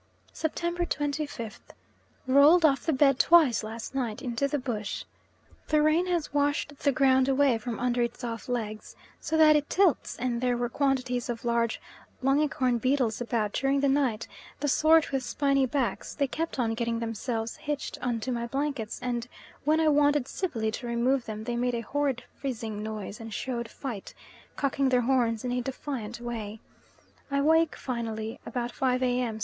September 25th. Rolled off the bed twice last night into the bush. The rain has washed the ground away from under its off legs, so that it tilts; and there were quantities of large longicorn beetles about during the night the sort with spiny backs; they kept on getting themselves hitched on to my blankets and when I wanted civilly to remove them they made a horrid fizzing noise and showed fight cocking their horns in a defiant way. I awake finally about 5 A.M.